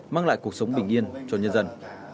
mang lại cuộc sống bình yên cho nhân dân